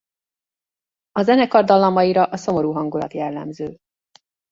A zenekar dallamaira a szomorú hangulat jellemző.